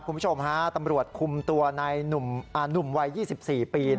คุณผู้ชมฮะตำรวจคุมตัวในหนุ่มวัย๒๔ปี